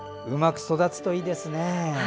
うまく育つといいですね。